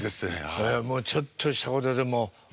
もうちょっとしたことでも。